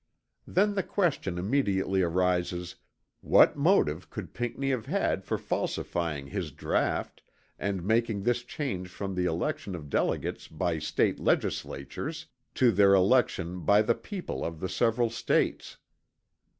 Then the question immediately arises, What motive could Pinckney have had for falsifying his draught and making this change from the election of delegates by State legislatures to their election by the people of the several States.